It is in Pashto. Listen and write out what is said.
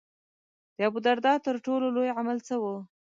د ابوالدرداء تر ټولو لوی عمل څه و.